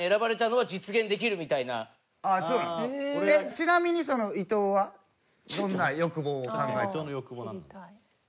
ちなみに伊藤はどんな欲望を考えてたの？